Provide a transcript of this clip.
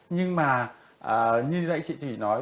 nhưng mà như vậy chị thủy nói